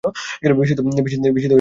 বিস্মিত হইয়া কহিল, এ কী?